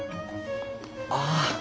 ああ。